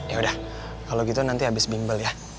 ya udah kalau gitu nanti habis bimbel ya